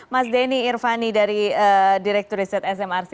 mas denny irvani dari direktur riset smrc